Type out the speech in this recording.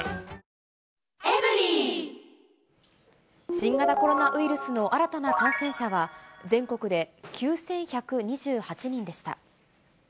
新型コロナウイルスの新たな感染者は、全国で９１２８人でした。